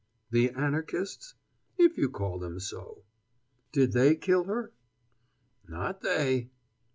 "The Anarchists?" "If you call them so." "Did they kill her?" "Not they!"